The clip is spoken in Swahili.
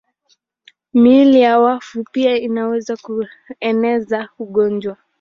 Miili ya wafu pia inaweza kueneza ugonjwa.